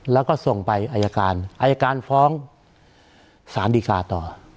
แล้วก็ส่งไปอายการอายการฟ้องสารดีกาต่อ